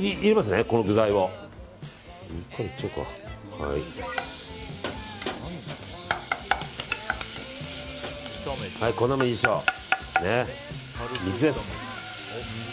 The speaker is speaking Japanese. ね、水です。